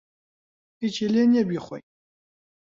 ھیچی لێ نییە بیخۆین.